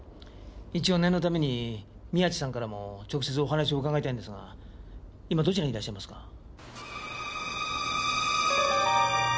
一応念のために宮地さんからも直接お話を伺いたいんですが今どちらにいらっしゃいますか？